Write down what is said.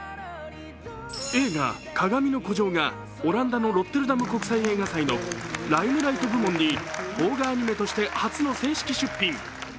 映画「かがみの孤城」がオランダのロッテルダム映画祭のＬｉｍｅｌｉｇｈｔ部門に邦画アニメとして初の正式出品。